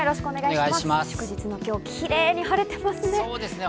祝日の今日、キレイに晴れてますね。